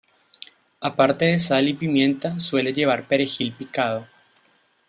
Aparte de sal y pimienta, suele llevar perejil picado.